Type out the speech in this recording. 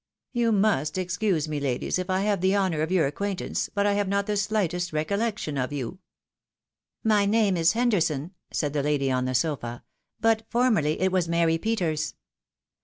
You must excuse me, ladies, if I have the honour of your ac quaintance, but I have not the slightest recoUeotion of you." " My name is Henderson," said the lady on the sofa, —" but formerly it was Mary Peters."